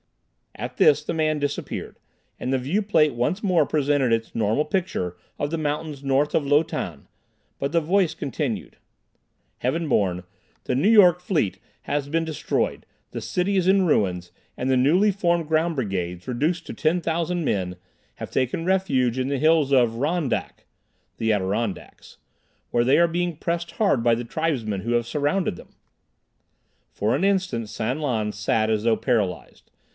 At this the man disappeared, and the viewplate once more presented its normal picture of the mountains north of Lo Tan; but the voice continued: "Heaven Born, the Nu Yok fleet has been destroyed, the city is in ruins, and the newly formed ground brigades, reduced to 10,000 men, have taken refuge in the hills of Ron Dak (the Adirondacks) where they are being pressed hard by the tribesmen, who have surrounded them." For an instant San Lan sat as though paralyzed.